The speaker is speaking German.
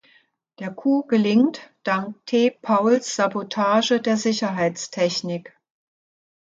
Der Coup gelingt dank T-Pauls Sabotage der Sicherheitstechnik.